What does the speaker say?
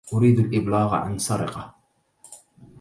أريد الإبلاغ عن سرقة.